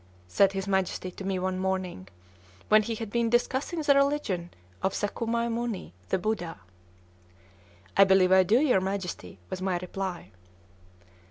said his Majesty to me one morning, when he had been discussing the religion of Sakyamuni, the Buddha. "I believe I do, your Majesty," was my reply.